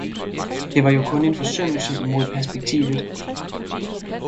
Det var jo kun en forsyndelse imod perspektivet.